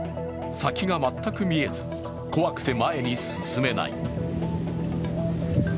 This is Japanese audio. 先が全く見えず怖くて前に進めない。